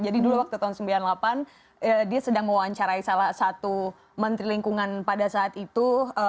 jadi dulu waktu tahun sembilan puluh delapan dia sedang mewawancarai salah satu menteri lingkungan pada saat itu